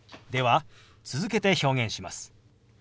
では続けて表現します。